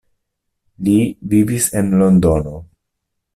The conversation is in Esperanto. Lee vivis en Londono.